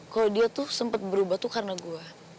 kalau dia tuh sempat berubah tuh karena gue